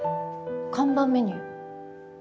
看板メニュー？